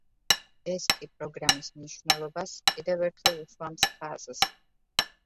ეს კი პროგრამის მნიშვნელობას კიდევ ერთხელ უსვამს ხაზს.